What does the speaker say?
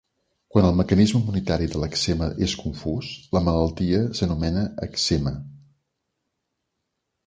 Quan el mecanisme immunitari de l'èczema és confús, la malaltia s'anomena èczema.